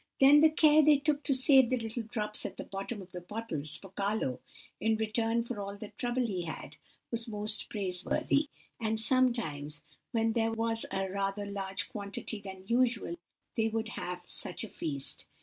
"Then the care they took to save the little drops at the bottom of the bottles, for Carlo, in return for all the trouble he had, was most praiseworthy; and sometimes, when there was a rather larger quantity than usual, they would have such a feast!